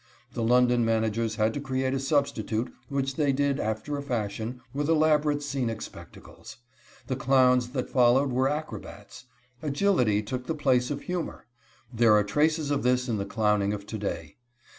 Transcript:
The London managers had to create a substitute, which they did after a fashion, with elaborate scenic spectacles. The clowns that followed were acrobats. Agility took the place of humor. There are traces of this in the clowning of to day.